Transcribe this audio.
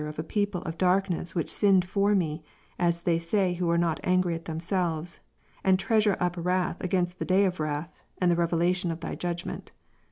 of a people of darkness which sinned for me, as they say who are not Kom. 2, angry at themselves, and treasure up wrath against the day of wrath, and of the revelation of Thy just judgment.